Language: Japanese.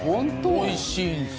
おいしいんすよ。